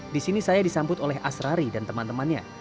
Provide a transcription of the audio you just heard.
di sini saya disambut oleh asrari dan teman temannya